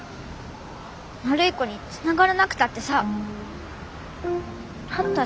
悪い子につながらなくたってさなったじゃん。